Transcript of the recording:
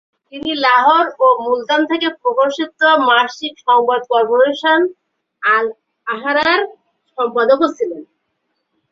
তিনি লাহোর ও মুলতান থেকে প্রকাশিত মাসিক সংবাদ কর্পোরেশন, "আল-আহরার" সম্পাদকও ছিলেন।